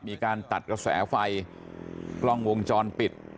มีการตัดกระแสไฟกล้องวงจรปิดตามรายทางตรงนี้เนี่ย